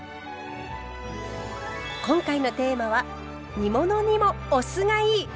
今回のテーマは煮物にもお酢がいい！